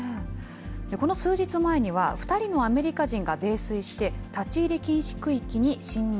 この数日前には、２人のアメリカ人が泥酔して、立ち入り禁止区域に侵入。